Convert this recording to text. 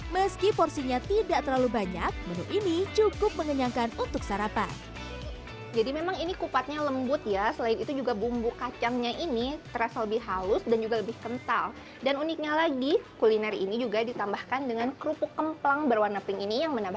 meski porsinya tidak terlalu banyak menu ini cukup mengenyangkan untuk sarapan